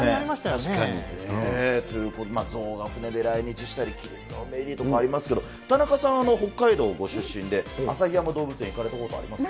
確かに。ということで、ゾウが船で来日したり、キリンの嫁入りとかありますけど、田中さんは北海道ご出身で、旭山動物園行かれたことありますか？